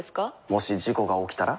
もし事故が起きたら？